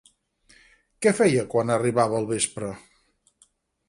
Què feia quan arribava el vespre?